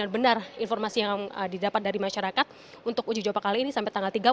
dan benar informasi yang didapat dari masyarakat untuk uji jawab kali ini